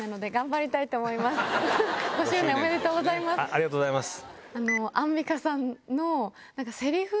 ありがとうございます。